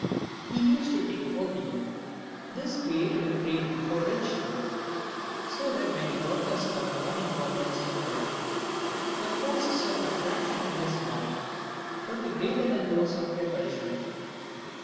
He used to take opium. This created a craving for rich food. So that when he brought us our morning goblets of milk the forces of attraction in his mind would be greater than those of repulsion.